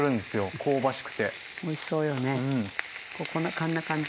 こんな感じ。